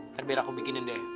biar aku bikinin deh